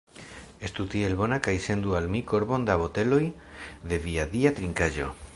Estu tiel bona kaj sendu al mi korbon da boteloj de via dia trinkaĵo.